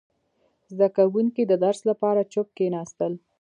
• زده کوونکي د درس لپاره چوپ کښېناستل.